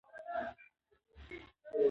ژمی د افغانستان د پوهنې نصاب کې شامل دي.